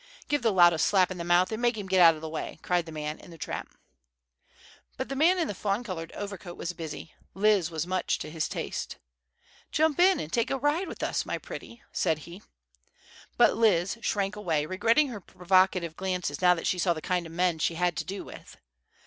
"Give the lout a slap in the mouth, and make him get out of the way," cried the man in the trap. But the man in the fawn colored overcoat was busy. Liz was much to his taste. "Jump in and take a ride with us, my pretty," said he. But Liz shrank away, regretting her provocative glances now that she saw the kind of men she had to do with.